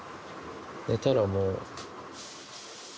寝たらもう。